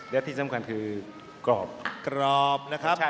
และที่สำคัญคือกรอบ